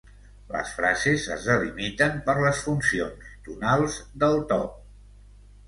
Les frases es delimiten per les funcions tonals del to.